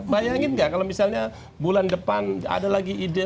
bayangin nggak kalau misalnya bulan depan ada lagi ide